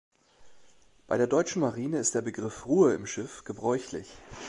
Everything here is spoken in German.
Bei der Deutschen Marine ist der Begriff „Ruhe im Schiff“ gebräuchlich.